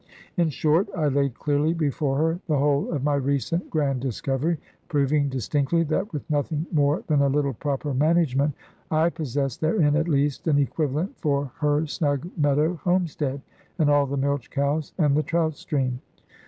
In short, I laid clearly before her the whole of my recent grand discovery, proving distinctly that with nothing more than a little proper management, I possessed therein at least an equivalent for her snug meadow homestead, and all the milch cows, and the trout stream.